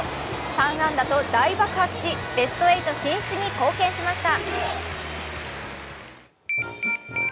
３安打と大爆発し、ベスト８進出に貢献しました。